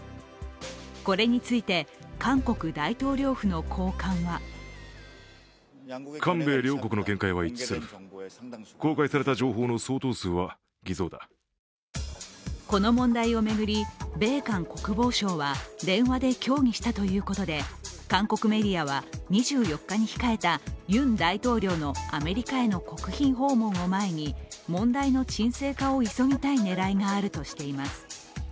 これについて、韓国大統領府の高官はこの問題を巡り、米韓国防相は電話で協議したということで韓国メディアは２４日に控えたユン大統領のアメリカへの国賓訪問を前に、問題の沈静化を急ぎたい狙いがあるとしています。